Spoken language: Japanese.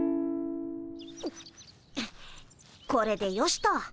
これでよしと。